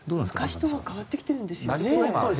昔とは変わってきているんですよね。